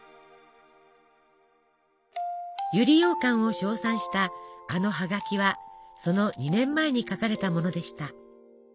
百合ようかんを称賛したあのハガキはその２年前に書かれたものでした。